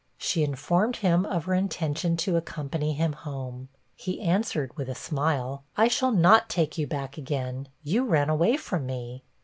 She informed him of her intention to accompany him home. He answered, with a smile, 'I shall not take you back again; you ran away from me.'